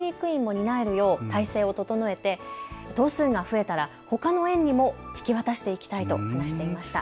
吉田さんはカンガルーの繁殖をほかの飼育員も担えるよう体制を整えて頭数が増えたらほかの園にも引き渡していきたいと話していました。